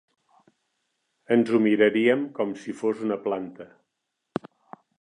Ens ho miraríem com si fos una planta.